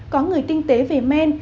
có người tinh tế về men